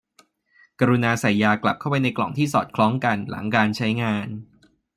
กรุณาใส่ยากลับเข้าไปในกล่องที่สอดคล้องกันหลังการใช้งาน